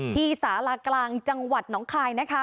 สารากลางจังหวัดหนองคายนะคะ